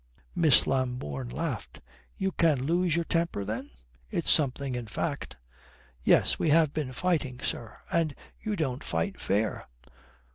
Miss Lambourne laughed. "You can lose your temper then? It's something, in fact. Yes, we have been fighting, sir, and you don't fight fair."